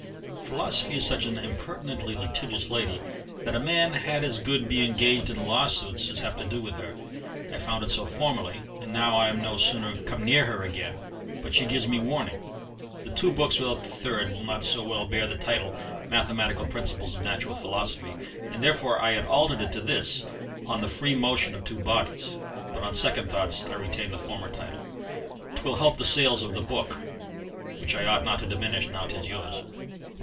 Philosophy is such an impertinently litigious lady that a man had as good be engaged in law suits as have to do with her. I found it so formerly, and now I am no sooner come near her again but she gives me warning. The two books without the third will not so well bear the title 'Mathematical Principles of Natural Philosophy,' and therefore I had altered it to this, 'On the Free Motion of Two Bodies'; but on second thoughts I retain the former title: 'twill help the sale of the book which I ought not to diminish now 'tis yours."